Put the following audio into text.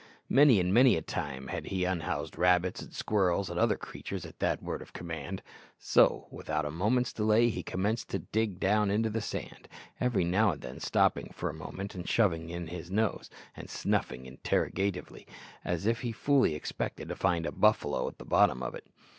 Many and many a time had he unhoused rabbits, and squirrels, and other creatures at that word of command; so, without a moment's delay, he commenced to dig down into the sand, every now and then stopping for a moment and shoving in his nose, and snuffing interrogatively, as if he fully expected to find a buffalo at the bottom of it.